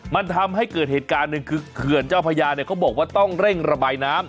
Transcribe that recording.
มันทำให้เกิดเหตุการณ์หนึ่งคือเขื่อนเจ้าพญาเนี่ยเขาบอกว่าต้องเร่งระบายน้ำ